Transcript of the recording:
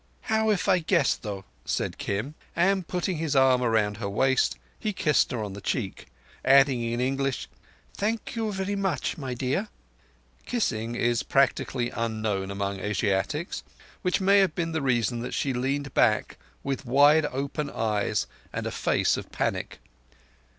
"How if I guess, though?" said Kim, and putting his arm round her waist, he kissed her on the cheek, adding in English: "Thank you verree much, my dear." Kissing is practically unknown among Asiatics, which may have been the reason that she leaned back with wide open eyes and a face of panic.